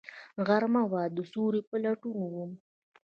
غرمه وه، د سیوری په لټون وم